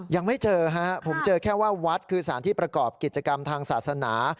ยังไม่เจอฮะผมเจอแค่ว่าวัดคือสารที่ประกอบกิจกรรมทางศาสนา